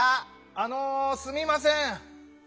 あのすみません。